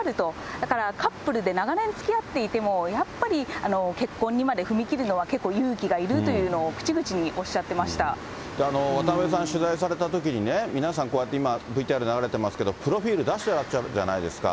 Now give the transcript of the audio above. だからカップルで長年つきあっていても、やっぱり結婚にまだ踏み切るのはけっこう勇気がいるというのを、渡辺さん、取材されたときに、皆さんこうやって今、ＶＴＲ流れてますけれども、プロフィール出してらっしゃるわけじゃないですか。